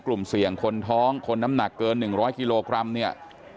กลุ่มเสี่ยงคนท้องคนน้ำหนักเกิน๑๐๐กิโลกรัมเนี่ย